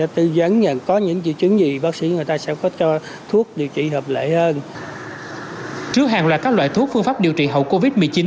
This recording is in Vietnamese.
trước hàng loạt các loại thuốc phương pháp điều trị hậu covid một mươi chín